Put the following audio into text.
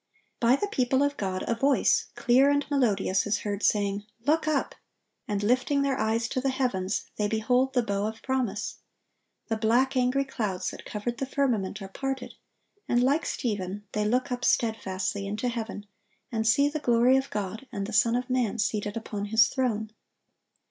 By the people of God a voice, clear and melodious, is heard, saying, "Look up," and lifting their eyes to the heavens, they behold the bow of promise. The black, angry clouds that covered the firmament are parted, and like Stephen they look up steadfastly into heaven, and see the glory of God, and the Son of man seated upon His throne.